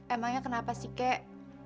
emangnya kenapa sih kek